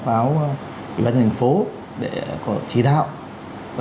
kháo ủy ban thành phố để có chỉ đạo và